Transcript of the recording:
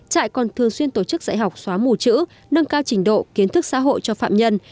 trại còn thường xuyên tổ chức dạy học xóa mù chữ nâng cao trình độ kiến thức xã hội cho phạm nhân